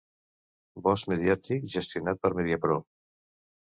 Bosc mediàtic gestionat per Mediapro.